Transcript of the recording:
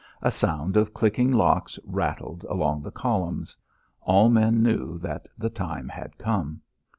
A sound of clicking locks rattled along the columns. All men knew that the time had come.